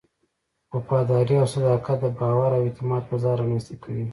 وفاداري او صداقت د باور او اعتماد فضا رامنځته کوي.